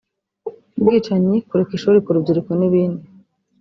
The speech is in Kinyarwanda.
ubwicanyi kureka ishuri ku rubyiruko n’ibindi